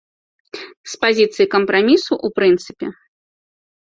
З пазіцыі кампрамісу ў прынцыпе.